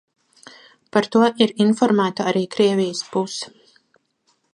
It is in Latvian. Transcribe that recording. Par to ir informēta arī Krievijas puse.